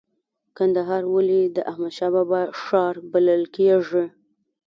کندهار ولې د احمد شاه بابا ښار بلل کیږي؟